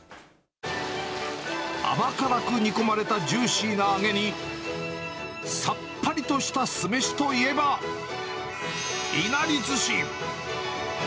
甘辛く煮込まれたジューシーな揚げに、さっぱりとした酢飯といえば、いなりずし。